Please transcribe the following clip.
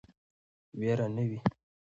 ویر نه وي.